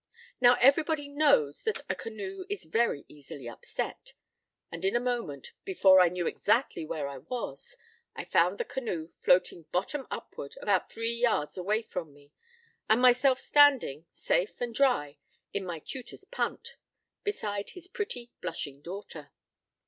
Now, everybody knows that a canoe is very easily upset: and in a moment, before I knew exactly where I was, I found the canoe floating bottom upward about three yards away from me, and myself standing, safe and dry, in my tutor's punt, beside his pretty blushing daughter.